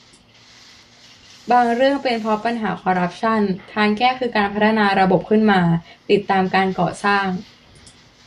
บางเรื่องเป็นเพราะปัญหาคอร์รัปชั่น ทางแก้คือการพัฒนาระบบขึ้นมาติดตามการก่อสร้าง